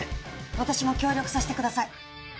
私も協力させてください！